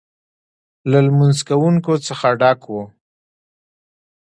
له لمونځ کوونکو څخه ډک و.